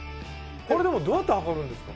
これでもどうやって測るんですか？